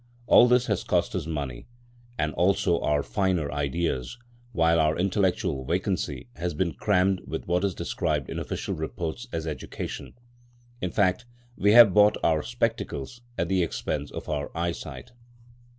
All this has cost us money, and also our finer ideas, while our intellectual vacancy has been crammed with what is described in official reports as Education. In fact, we have bought our spectacles at the expense of our eyesight.